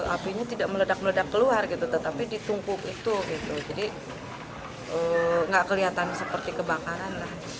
apinya tidak meledak meledak keluar tetapi ditungku itu jadi tidak kelihatan seperti kebakaran